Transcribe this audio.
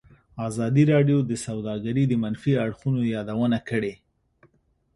ازادي راډیو د سوداګري د منفي اړخونو یادونه کړې.